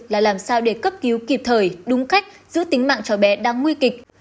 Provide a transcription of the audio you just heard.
là làm sao để cấp cứu kịp thời đúng cách giữ tính mạng cho bé đang nguy kịch